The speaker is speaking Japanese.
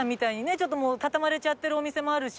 ちょっともう畳まれちゃってるお店もあるし。